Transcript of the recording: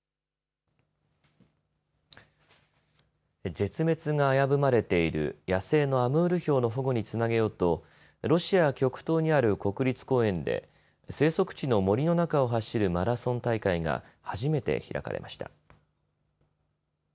絶滅が危ぶまれている野生のアムールヒョウの保護につなげようとロシア極東にある国立公園で生息地の森の中を走るマラソン大会が初めて開かれました。